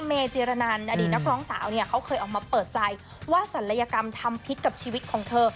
เมเจียลนันอดีตนกร้องสาวเขาเคยมาเปิดใจว่าสรรยากรมทำพิทธิ์กับชีวิตของเธอ